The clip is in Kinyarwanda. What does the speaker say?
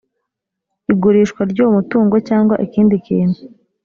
igurishwa ry uwo mutungo cyangwa ikindi kintu